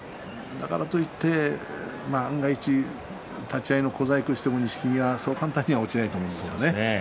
だからといって万が一、立ち合いの小細工をしても錦木はそう簡単に落ちないと思います。